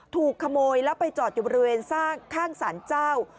ถูกขโมยแล้วไปจอดอยู่บริเวณสร้างข้างสารเจ้า